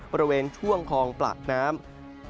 บริเวณช่วงคลองปากน้ำ